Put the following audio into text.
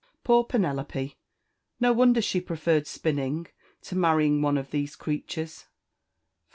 Poor Penelope! no wonder she preferred spinning to marrying one of these creatures!